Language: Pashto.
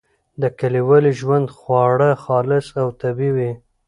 د کلیوالي ژوند خواړه خالص او طبیعي وي.